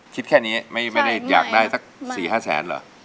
คิดแค่นี้ไม่ได้อยากได้สัก๔๕แสนเหรอ